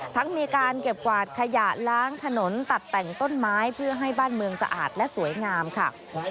ทั้งมีการเก็บกวาดขยะล้างถนนตัดแต่งต้นไม้เพื่อให้บ้านเมืองสะอาดและสวยงามค่ะ